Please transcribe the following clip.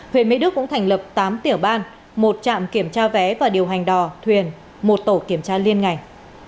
huyện mỹ đức cũng thành lập tám tiểu ban một trạm kiểm tra vé và điều hành đò thuyền một tổ kiểm tra liên ngành